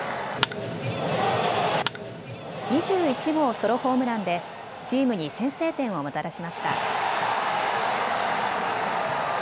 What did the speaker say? ２１号ソロホームランでチームに先制点をもたらしました。